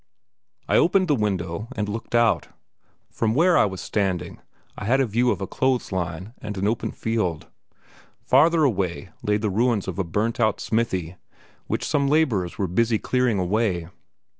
I opened the window and looked out. From where I was standing I had a view of a clothes line and an open field. Farther away lay the ruins of a burnt out smithy, which some labourers were busy clearing away.